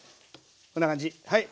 こんな感じはい。